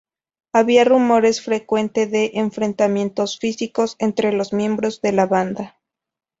Había rumores frecuente de enfrentamientos físicos entre los miembros de la banda.